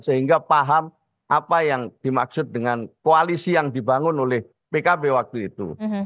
sehingga paham apa yang dimaksud dengan koalisi yang dibangun oleh pkb waktu itu